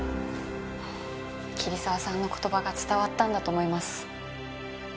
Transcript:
桐沢さんの言葉が伝わったんだと思います。